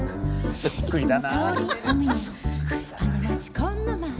そっくりだな。